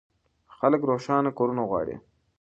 خلک روښانه کورونه غواړي.